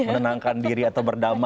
menenangkan diri atau berdala